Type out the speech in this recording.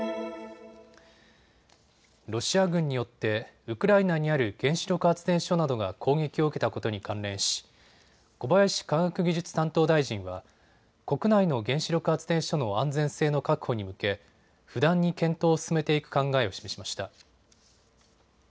ロシア軍によってウクライナにある原子力発電所などが攻撃を受けたことに関連し小林科学技術担当大臣は国内の原子力発電所の安全性の確保に向け不断に検討を進めていく考えを示しました。